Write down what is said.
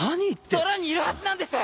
空にいるはずなんです！